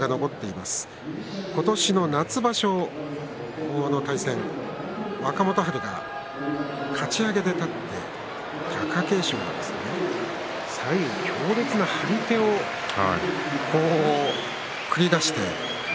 今年の夏場所若元春が、かち上げで立って貴景勝が強烈な張り手を繰り出しました。